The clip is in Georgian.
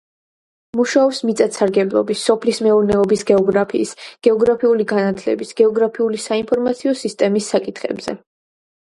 მუშაობს მიწათსარგებლობის, სოფლის მეურნეობის გეოგრაფიის, გეოგრაფიული განათლების, გეოგრაფიული საინფორმაციო სისტემის საკითხებზე.